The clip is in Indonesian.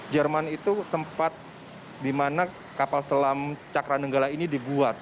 jerman itu tempat di mana kapal selam cakra nenggala ini dibuat